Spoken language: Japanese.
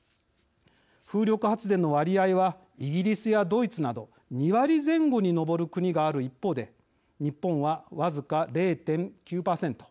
風力発電の割合はイギリスやドイツなど２割前後に上る国がある一方で日本は僅か０．９％。